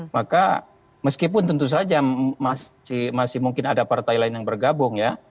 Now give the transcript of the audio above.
maka meskipun tentu saja masih mungkin ada partai lain yang bergabung ya